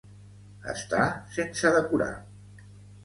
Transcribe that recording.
Està sense decorar.